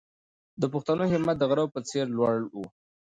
د پښتنو همت د غره په څېر لوړ و.